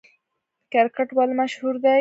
کرکټ ولې مشهور دی؟